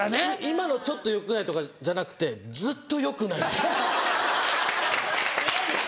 「今のちょっとよくない」とかじゃなくてずっとよくないです。